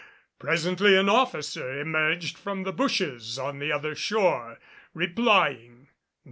Presently an officer emerged from the bushes on the other shore, replying.